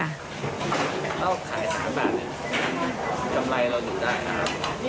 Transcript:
ถ้าขาย๓บาทนี่กำไรเรายุ่งได้หรือเปล่า